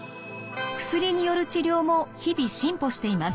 薬による治療も日々進歩しています。